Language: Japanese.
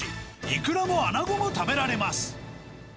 イクラもアナゴも食べられます。